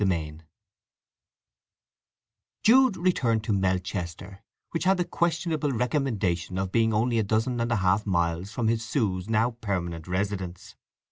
X Jude returned to Melchester, which had the questionable recommendation of being only a dozen and a half miles from his Sue's now permanent residence.